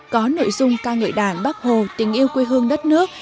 có nội dung ca ngợi đảng bác hồ tình yêu quê hương đất nước